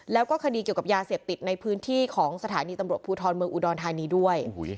แล้วก็คดีเกี่ยวกับยาเสพติดในพื้นที่ของสถานีตำรวจภูทรเมืองอุดรธานีด้วย